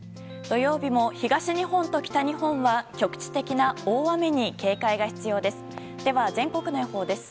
土曜日も、東日本と北日本は局地的な大雨に警戒が必要です。